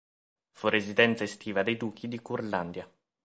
Fu residenza estiva dei duchi di Curlandia.